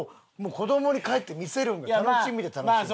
子どもに帰って見せるんが楽しみで楽しみで。